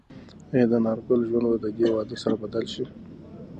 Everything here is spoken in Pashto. ایا د انارګل ژوند به د دې واده سره بدل شي؟